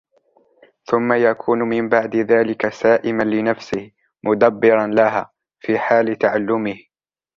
ثُمَّ يَكُونُ مِنْ بَعْدِ ذَلِكَ سَائِسًا لِنَفْسِهِ مُدَبِّرًا لَهَا فِي حَالِ تَعَلُّمِهِ